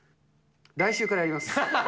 来週からやります。